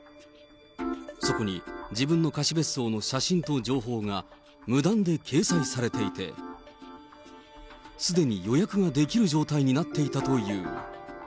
そこに自分の貸別荘の写真と情報が無断で掲載されていて、すでに予約ができる状態になっていたという。